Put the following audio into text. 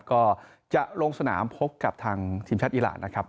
ก็จะลงสนามพบกับทางทีมชาติอีรานนะครับ